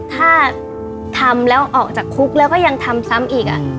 ถ้าทำแล้วออกจากคุกแล้วก็ยังทำซ้ำอีก